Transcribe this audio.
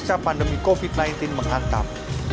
sejak pandemi covid sembilan belas mengantam